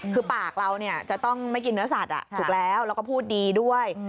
คือปากเราจะต้องไม่กินเนื้อสัตว์ถูกแล้วแล้วก็พูดดีด้วย